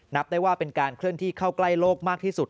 นับได้ว่าเป็นการเคลื่อนที่เข้าใกล้โลกมากที่สุด